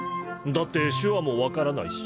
だって手話も分からないし。